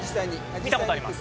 見たことあります